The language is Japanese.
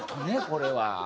これは。